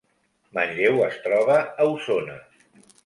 Manlleu es troba a Osona